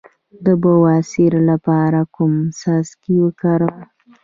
د بواسیر لپاره کوم څاڅکي وکاروم؟